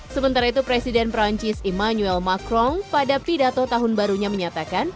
sementara itu presiden perancis emmanuel macron pada pidato tahun barunya menyatakan